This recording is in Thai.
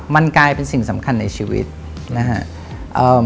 มันกลายเป็นสิ่งสำคัญในชีวิตนะครับ